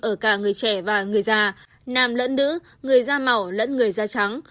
ở cả người trẻ và người già nam lẫn nữ người da màu lẫn người da trắng